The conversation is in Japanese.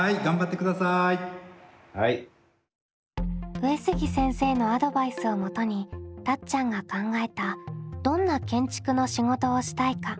上杉先生のアドバイスをもとにたっちゃんが考えた「どんな建築の仕事をしたいか？」